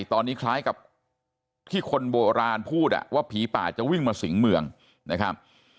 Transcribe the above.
ตอนนี้คล้ายกับที่คนโบราณพูดว่าผีป่าจะวิ่งมาสิงเมืองนะครับ